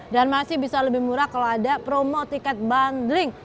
dan masih bisa lebih murah kalau ada promo tiket bundling